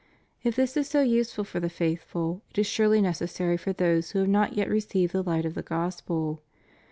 If this is so useful for the faithful, it is surely necessary for those who have not yet received the light of the Gos pel.